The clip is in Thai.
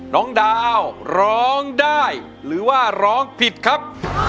น้องดาวร้องได้หรือว่าร้องผิดครับ